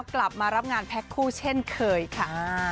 กลับมารับงานแพ็คคู่เช่นเคยค่ะ